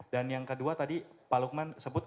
dan yang kedua tadi pak lukman sebut